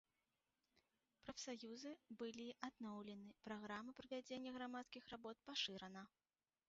Прафсаюзы былі адноўлены, праграма правядзення грамадскіх работ пашырана.